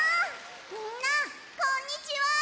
みんなこんにちは！